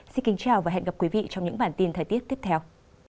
xin kính chào và hẹn gặp lại quý vị trong những bản tin thời tiết tiếp theo